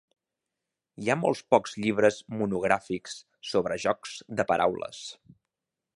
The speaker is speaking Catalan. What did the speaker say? Hi ha molt pocs llibres monogràfics sobre jocs de paraules.